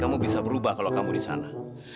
kamu bisa berubah kalau kamu disana